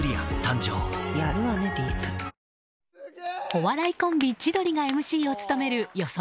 お笑いコンビ千鳥がＭＣを務める予想